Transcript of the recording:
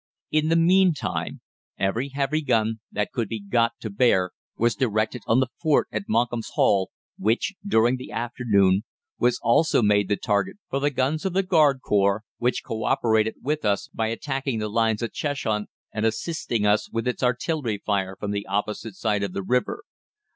In the meantime every heavy gun that could be got to bear was directed on the fort at Monkham's Hall, which, during the afternoon, was also made the target for the guns of the Garde Corps, which co operated with us by attacking the lines at Cheshunt, and assisting us with its artillery fire from the opposite side of the river.